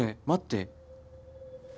待って。